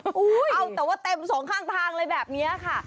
เอาแต่ว่าเต็มสองข้างทางเลยแบบนี้ค่ะ